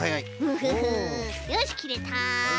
フフフよしきれた。